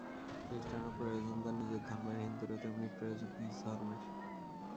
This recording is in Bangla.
খ্রীষ্টানের প্রয়োজন তার নিজের ধর্মের, হিন্দুরও তেমনি প্রয়োজন নিজ ধর্মের।